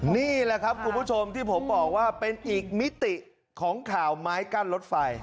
นี่แหละครับคุณผู้ชมที่ผมบอกว่าเป็นอีกมิติของข่าวไม้กั้นรถไฟ